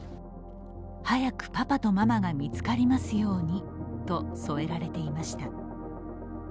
「早くパパとママが見つかりますように」と添えられています。